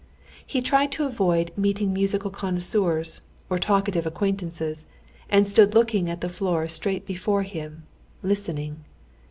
He tried to avoid meeting musical connoisseurs or talkative acquaintances, and stood looking at the floor straight before him, listening.